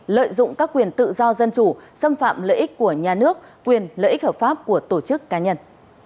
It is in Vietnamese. lợi dụng các quyền tự do dân chủ xâm phạm lợi ích của nhà nước quyền lợi ích hợp pháp của tổ chức cá nhân